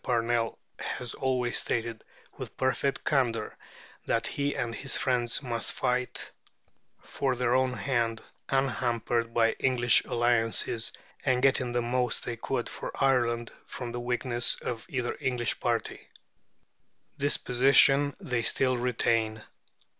Parnell has always stated, with perfect candour, that he and his friends must fight for their own hand unhampered by English alliances, and getting the most they could for Ireland from the weakness of either English party. This position they still retain.